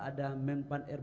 ada mempan rb